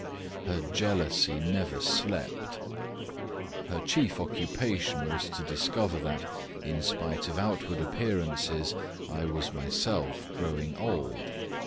Her jealousy never slept. Her chief occupation was to discover that, in spite of outward appearances, I was myself growing old.